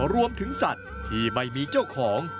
รวมถึงสัตว์ที่ไม่มีเจ้าของ